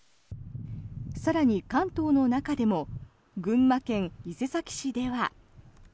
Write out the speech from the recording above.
更に関東の中でも群馬県伊勢崎市では。